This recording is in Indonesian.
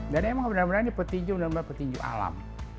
dan emang benar benar ini petinju petinju alam